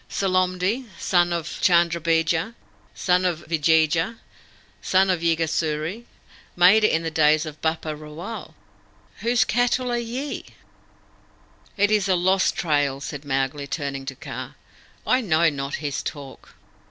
Salomdhi, son of Chandrabija, son of Viyeja, son of Yegasuri, made it in the days of Bappa Rawal. Whose cattle are YE?" "It is a lost trail," said Mowgli, turning to Kaa. "I know not his talk."